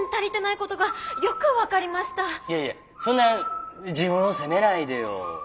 いやいやそんな自分を責めないでよ。